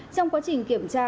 trong quá trình kiểm tra